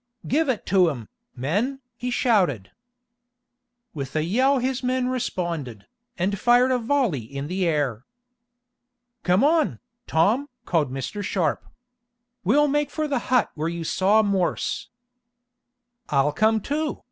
"Give it to 'em, men!" he shouted. With a yell his men responded, and fired a volley in the air. "Come on, Tom!" called Mr. Sharp. "We'll make for the hut where you saw Morse." "I'll come too!